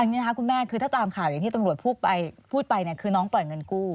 อย่างนี้นะคะคุณแม่คือถ้าตามข่าวอย่างที่ตำรวจพูดไปเนี่ยคือน้องปล่อยเงินกู้